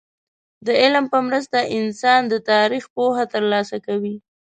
د علم په مرسته انسان د تاريخ پوهه ترلاسه کوي.